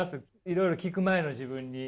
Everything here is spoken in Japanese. いろいろ聞く前の自分に。